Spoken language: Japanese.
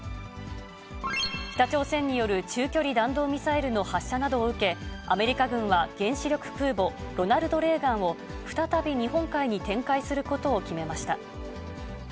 北朝鮮による中距離弾道ミサイルの発射などを受け、アメリカ軍は原子力空母ロナルド・レーガンを再び日本海に展開することを決めました。